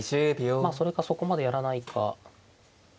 まあそれかそこまでやらないか。